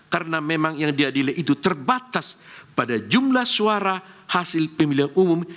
karena memang yang diadili itu terbatas pada jumlah suara hasil pemilihan umum